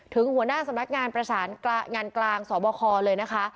หัวหน้าสำนักงานประสานงานกลางสบคเลยนะคะ